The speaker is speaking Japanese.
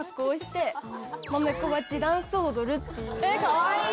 かわいい！